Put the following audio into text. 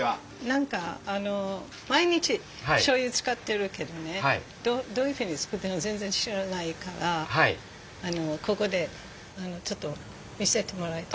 何か毎日しょうゆ使ってるけどねどういうふうに造ってるのか全然知らないからここでちょっと見せてもらいたい。